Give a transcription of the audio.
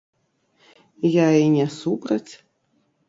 Я і не супраць.